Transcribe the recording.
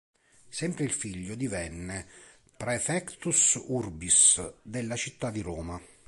Sempre il figlio divenne "praefectus urbis" della città di Roma.